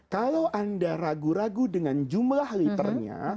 kalau anda ragu ragu dengan jumlah liternya